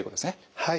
はい。